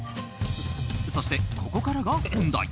そして、ここからが本題。